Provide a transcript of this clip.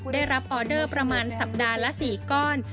ได้รับออเดอร์ประมาณสัปดาห์ละ๔ก้อน